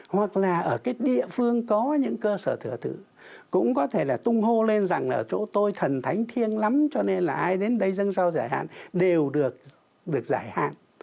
hoặc là ở cái địa phương có những cơ sở thừa thử cũng có thể là tung hô lên rằng ở chỗ tôi thần thánh thiêng lắm cho nên là ai đến đây dân sao giải hạn đều được giải hạn